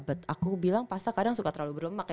but aku bilang pasta kadang suka terlalu berlemak ya